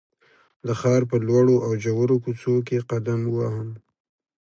د ښار په لوړو او ژورو کوڅو کې قدم ووهم.